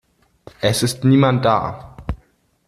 Es ist niemand da.